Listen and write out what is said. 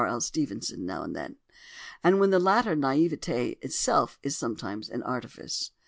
L. Stevenson now and then; and with the latter naïveté itself is sometimes an artifice.